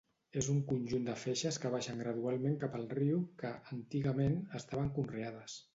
És un conjunt de feixes que baixen gradualment cap al riu, que, antigament, estaven conreades.